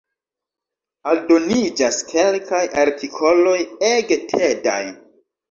Aldoniĝas kelkaj artikoloj ege tedaj.